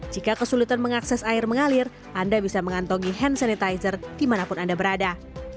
jika kesulitan mengakses air mengalir anda bisa mengantongi hand sanitizer dimanapun anda berada